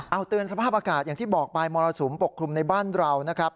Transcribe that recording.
เอาเตือนสภาพอากาศอย่างที่บอกไปมรสุมปกคลุมในบ้านเรานะครับ